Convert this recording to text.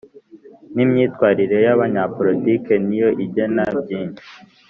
nimyitwarire yabanyapolitiki niyo igena byinshi